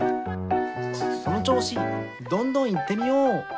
そのちょうしどんどんいってみよう！